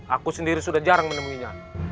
aku sendiri sudah jarang menemuinya